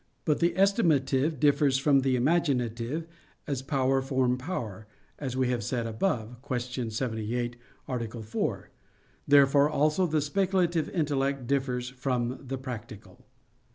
But the estimative differs from the imaginative, as power form power, as we have said above (Q. 78, A. 4). Therefore also the speculative intellect differs from the practical.